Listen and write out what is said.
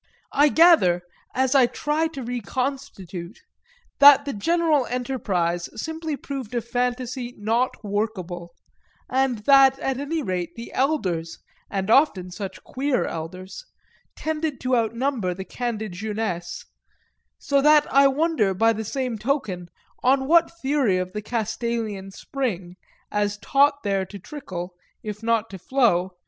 I gather, as I try to reconstitute, that the general enterprise simply proved a fantasy not workable, and that at any rate the elders, and often such queer elders, tended to outnumber the candid jeunesse; so that I wonder by the same token on what theory of the Castalian spring, as taught there to trickle, if not to flow, M.